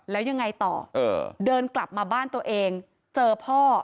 แล้วยังไงต่อเดินกลับมาบ้านตัวเองเจอพ่อ